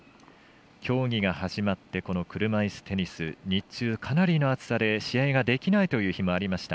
競技が始まって車いすテニス日中かなりの暑さで試合ができないという日もありました。